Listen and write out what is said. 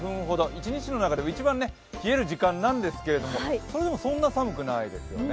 一日の中でも一番冷える時間なんですけどそれでもそんなに寒くないですね。